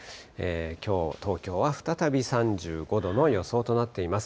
きょう、東京は再び３５度の予想となっています。